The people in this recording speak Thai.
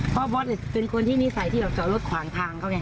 เพราะบอสเป็นคนที่นิสัยที่แบบจอดรถขวางทางเขาไง